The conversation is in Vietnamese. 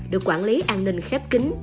được quản lý an ninh khép kính